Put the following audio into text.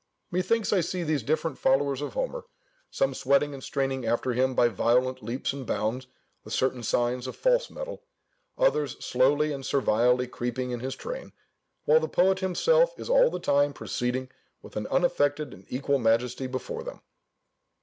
Methinks I see these different followers of Homer, some sweating and straining after him by violent leaps and bounds (the certain signs of false mettle), others slowly and servilely creeping in his train, while the poet himself is all the time proceeding with an unaffected and equal majesty before them.